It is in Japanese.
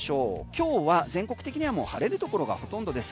今日は全国的には晴れるところがほとんどです。